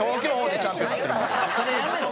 それやめろ。